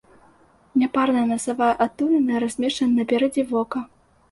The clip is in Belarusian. Няпарная насавая адтуліна размешчана наперадзе вока.